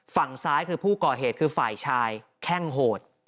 ฝั่งซ้ายคือผู้ก่อเหตุคือฝ่ายชายแข้งโหด